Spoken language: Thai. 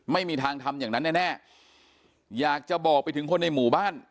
ไม่มีทางทำอย่างนั้นแน่อยากจะบอกไปถึงคนในหมู่บ้าน